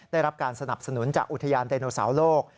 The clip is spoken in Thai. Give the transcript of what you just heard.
ได้รับการสนับสนุนจากอุทยานไดโนเสาร์โลก